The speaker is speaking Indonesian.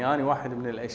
dan mengcomekkan bijak